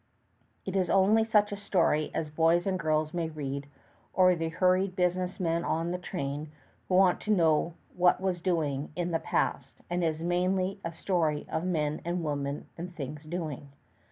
It is only such a story as boys and girls may read, or the hurried business man on the train, who wants to know "what was doing" in the past; and it is mainly a story of men and women and things doing.